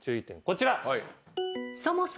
こちら。